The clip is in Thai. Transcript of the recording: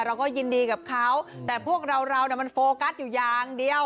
เราก็ยินดีกับเขาแต่พวกเราเรามันโฟกัสอยู่อย่างเดียว